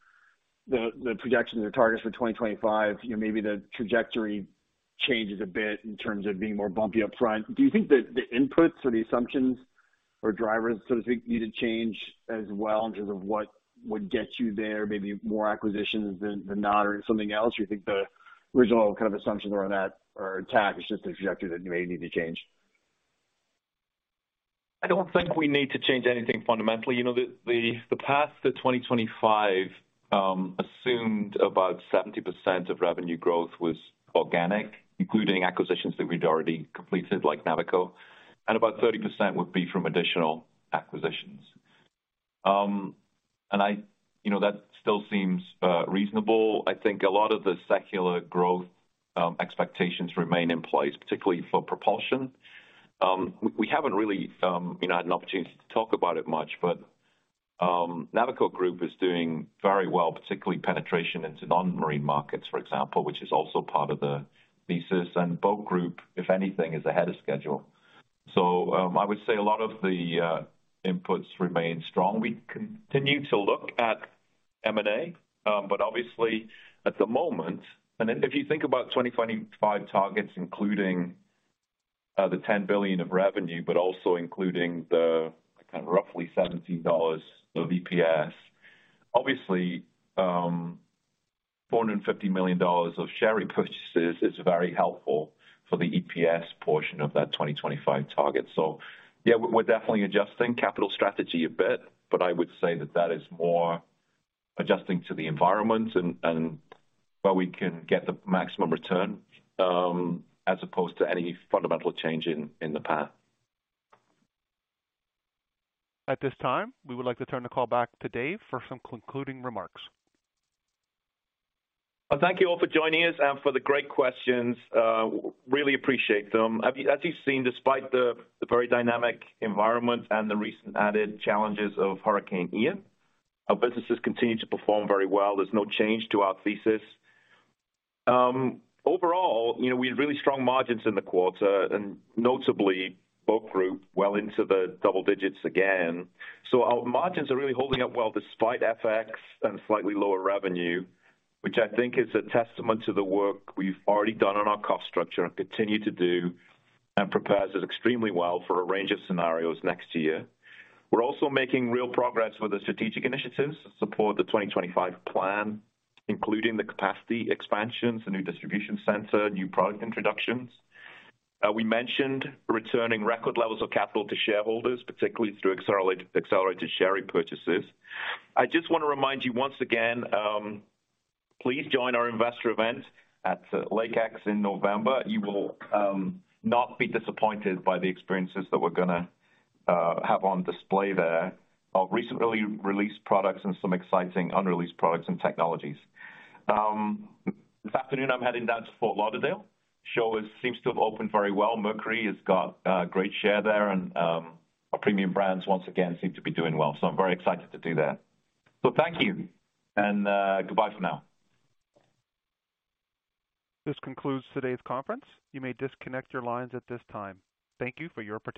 [SPEAKER 13] projections or targets for 2025. You know, maybe the trajectory changes a bit in terms of being more bumpy up front. Do you think that the inputs or the assumptions or drivers, so to speak, need to change as well in terms of what would get you there? Maybe more acquisitions than not or something else? Do you think the original kind of assumptions around that are intact, it's just the trajectory that may need to change?
[SPEAKER 3] I don't think we need to change anything fundamentally. You know, the path to 2025 assumed about 70% of revenue growth was organic, including acquisitions that we'd already completed, like Navico, and about 30% would be from additional acquisitions. You know, that still seems reasonable. I think a lot of the secular growth expectations remain in place, particularly for propulsion. We haven't really had an opportunity to talk about it much, but Navico Group is doing very well, particularly penetration into non-marine markets, for example, which is also part of the thesis. Boat Group, if anything, is ahead of schedule. I would say a lot of the inputs remain strong. We continue to look at M&A. Obviously at the moment, if you think about 2025 targets, including the $10 billion of revenue, but also including the kind of roughly $17 of EPS. Obviously, $450 million of share repurchases is very helpful for the EPS portion of that 2025 target. Yeah, we're definitely adjusting capital strategy a bit, but I would say that is more adjusting to the environment and where we can get the maximum return, as opposed to any fundamental change in the path.
[SPEAKER 1] At this time, we would like to turn the call back to Dave for some concluding remarks.
[SPEAKER 3] Well, thank you all for joining us and for the great questions. Really appreciate them. As you've seen, despite the very dynamic environment and the recent added challenges of Hurricane Ian, our businesses continue to perform very well. There's no change to our thesis. Overall, you know, we had really strong margins in the quarter and notably Boat Group well into the double digits again. Our margins are really holding up well despite FX and slightly lower revenue, which I think is a testament to the work we've already done on our cost structure and continue to do and prepares us extremely well for a range of scenarios next year. We're also making real progress with the strategic initiatives to support the 2025 plan, including the capacity expansions, the new distribution center, new product introductions. We mentioned returning record levels of capital to shareholders, particularly through accelerated share repurchases. I just wanna remind you once again, please join our investor event at Lake X in November. You will not be disappointed by the experiences that we're gonna have on display there. Our recently released products and some exciting unreleased products and technologies. This afternoon, I'm heading down to Fort Lauderdale. Show seems to have opened very well. Mercury has got great share there, and our premium brands once again seem to be doing well, so I'm very excited to do that. Thank you and goodbye for now.
[SPEAKER 1] This concludes today's conference. You may disconnect your lines at this time. Thank you for your participation.